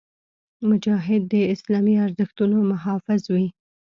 مجاهد د اسلامي ارزښتونو محافظ وي.